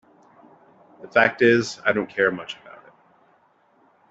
The fact is, I don't care much about it.